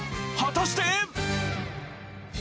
果たして！？